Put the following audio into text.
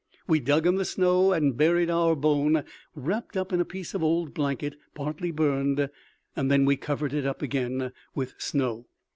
We dug in the snow and buried our bone wrapped up in a piece of old blanket, partly burned; then we covered it up again with snow.